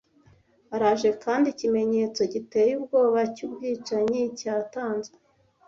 Araje, kandi ikimenyetso giteye ubwoba cyubwicanyi cyatanzwe.